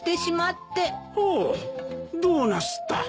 おおどうなすった。